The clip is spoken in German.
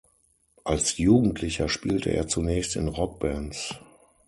Als Jugendlicher spielte er zunächst in Rockbands.